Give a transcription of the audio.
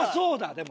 でも。